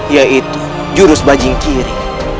yaitu jurus bajingkiri